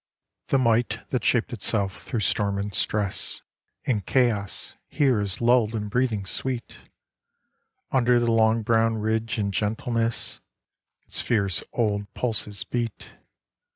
THE might that shaped itself through storm and stress In chaos, here is lulled in breathing sweet ; Under the long brown ridge in gentleness Its fierce old pulses beat.